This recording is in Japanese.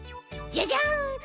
じゃじゃん。